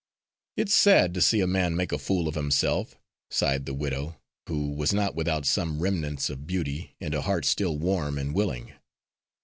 "It's sad to see a man make a fool of himself," sighed the widow, who was not without some remnants of beauty and a heart still warm and willing.